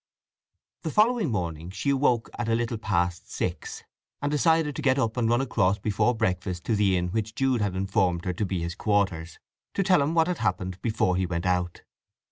The following morning she awoke at a little past six, and decided to get up and run across before breakfast to the inn which Jude had informed her to be his quarters, to tell him what had happened before he went out.